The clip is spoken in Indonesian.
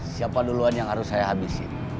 siapa duluan yang harus saya habisin